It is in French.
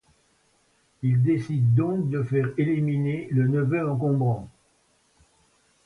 Il décide donc de faire éliminer le neveu encombrant.